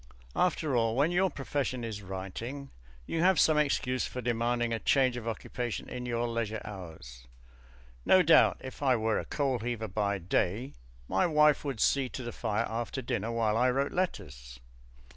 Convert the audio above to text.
After all, when your profession is writing, you have some excuse for demanding a change of occupation in your leisure hours. No doubt if I were a coal heaver by day, my wife would see to the fire after dinner while I wrote letters.